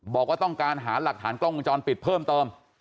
บอกว่าต้องการหาหลักฐานกล้องวงจรปิดเพิ่มเติม